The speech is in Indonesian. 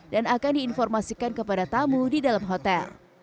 dan akan diinformasikan kepada tamu di dalam hotel